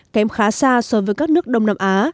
kém khá xa so với các nước đông nam á